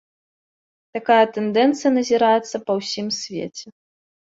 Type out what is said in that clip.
Такая тэндэнцыя назіраецца па ўсім свеце.